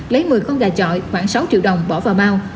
lấy một mươi con gà chọi khoảng sáu triệu đồng bỏ vào bao